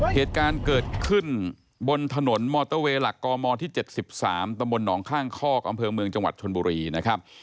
เหตุการณ์เกิดขึ้นบนถนนมอเตอร์เวย์หลักกมที่๗๓ตำบลหนองข้างคอกอำเภอเมืองจังหวัดชนบุรีนะครับ